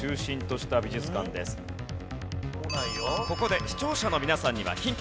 ここで視聴者の皆さんにはヒント。